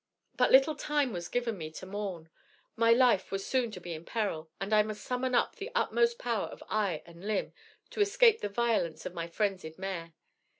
"But little time was given me to mourn. My life was soon to be in peril, and I must summon up the utmost power of eye and limb to escape the violence of my frenzied mare.